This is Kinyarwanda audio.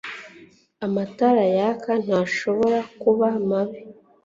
Amatara yaka ntashobora kuba mabi